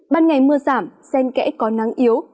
ban ngày mưa giảm xen kẽ có nắng yếu